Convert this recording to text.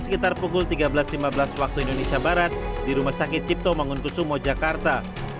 sekitar pukul tiga belas lima belas waktu indonesia barat di rumah sakit cipto mangunkusumo jakarta